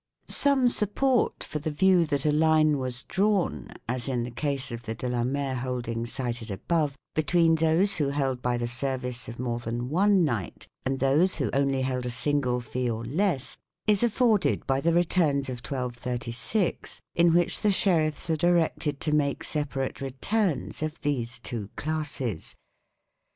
Some support for the view that a line was drawn (as in the case of the De La Mare holding cited above) between those who held by the service of more than one knight and those who only held a single fee or less, is afforded by the returns of I236, 1 in which the sheriffs are directed to make separate returns of these two classes.